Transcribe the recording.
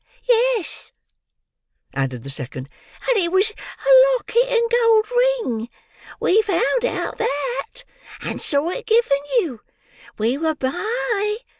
"Yes," added the second, "and it was a 'locket and gold ring.' We found out that, and saw it given you. We were by.